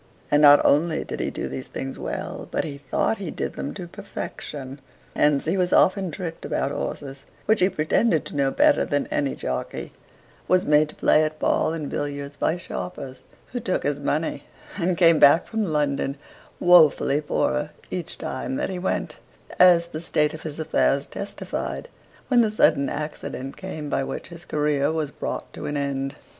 And not only did he do these things well, but he thought he did them to perfection; hence he was often tricked about horses, which he pretended to know better than any jockey; was made to play at ball and billiards by sharpers who took his money, and came back from London wofully poorer each time than he went, as the state of his affairs testified when the sudden accident came by which his career was brought to an end.